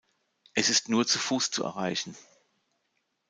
Es ist nur zu Fuß zu erreichen.